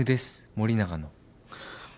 森永の。